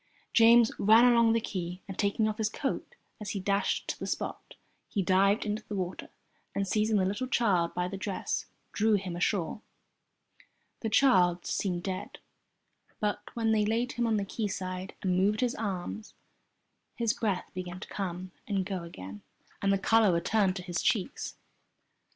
James ran along the quay, and taking off his coat as he dashed to the spot, he dived into the water and, seizing the little child by the dress, drew him ashore. The child seemed dead, but when they laid him on the quayside, and moved his arms, his breath began to come and go again and the colour returned to his cheeks.